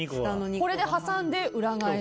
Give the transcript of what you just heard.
これで挟んで裏返し。